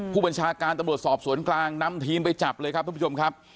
ผู้บัญชาการตำรวจสอบสวนกลางนำทีมไปจับเลยครับทุกผู้ชมครับ